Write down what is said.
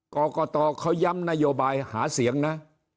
กรกตเขาย้ำนโยบายหาเสียงนะ